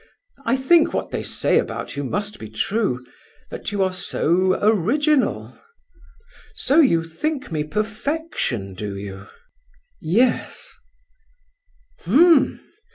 I think what they say about you must be true, that you are so original.—So you think me perfection, do you?" "Yes."